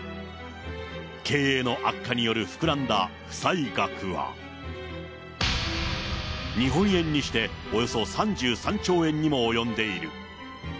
経営の悪化による膨らんだ負債額は、日本円にしておよそ３３兆円にも及んでいる。